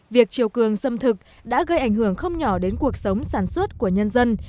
việc chiều cường xâm thực đã gây ảnh hưởng không nhỏ đến cuộc sống sản xuất của nhân dân